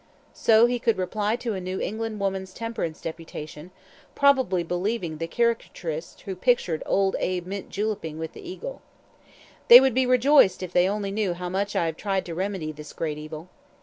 So he could reply to a New England women's temperance deputation, probably believing the caricaturists who pictured "Old Abe" mint juleping with the eagle. "They would be rejoiced if they only knew how much I have tried to remedy this great evil."